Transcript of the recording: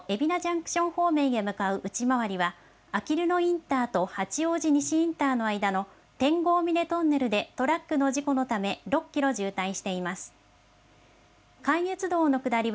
圏央道のえびなジャンクション方面へ向かう内回りは、あきる野インターと八王子西インターのてんごうみねトンネルでトラックの事故のため、６キロ渋滞しています。